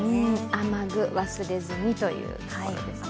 雨具、忘れずにというところですね。